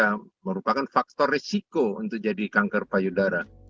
nah itu merupakan faktor risiko untuk jadi kanker payudara